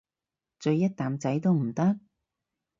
咀一啖仔都唔得？